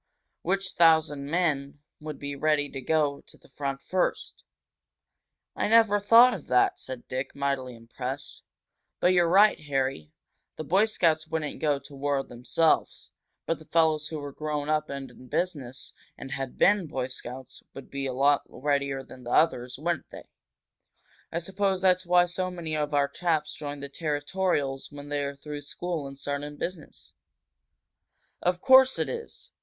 Which thousand men would be ready to go to the front first?" "I never thought of that!" said Dick, mightily impressed. "But you're right, Harry. The Boy Scouts wouldn't go to war themselves, but the fellows who were grown up and in business and had been Boy Scouts would be a lot readier than the others, wouldn't they? I suppose that's why so many of our chaps join the Territorials when they are through school and start in business?" "Of course it is!